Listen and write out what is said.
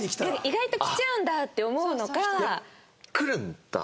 「意外と来ちゃうんだ」って思うのか。